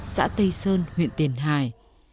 xã tây sơn huyện tiền hải